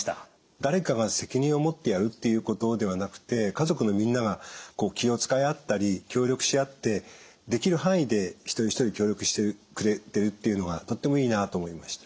誰かが責任を持ってやるっていうことではなくて家族のみんなが気を遣い合ったり協力し合ってできる範囲で一人一人協力してくれてるっていうのはとってもいいなと思いました。